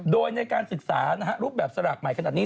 โดยในการศึกษารูปแบบสลากใหม่ขนาดนี้